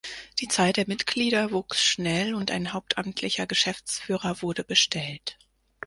Die Zahl der Mitglieder wuchs schnell und ein hauptamtlicher Geschäftsführer wurde bestellt.